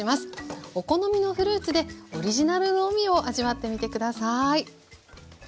お好みのフルーツでオリジナルの海を味わってみて下さい。